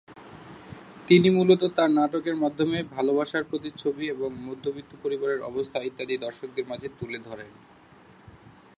তিনি মূলত তার নাটকের মাধ্যমে ভালোবাসার প্রতিচ্ছবি এবং মধ্যবিত্ত পরিবারের অবস্থা ইত্যাদি দর্শকদের মাঝে তুলে ধরেন।